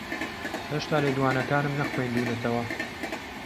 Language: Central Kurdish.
ھێشتا لێدوانەکانم نەخوێندوونەتەوە.